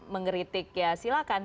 mengkritik ya silahkan